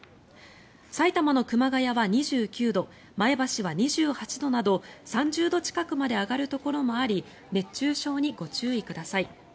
埼玉の熊谷は２９度前橋は２８度など３０度近くまで上がるところもあり熱中症にご注意ください。